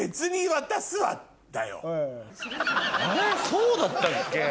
そうだったっけ？